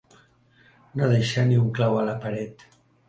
No deixar ni un clau a la paret.